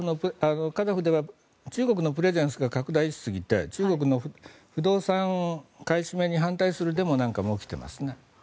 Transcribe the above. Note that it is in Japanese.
カザフでは中国のプレゼンスが拡大しすぎて中国の不動産買い占めに反対するデモなんかも起きていますね。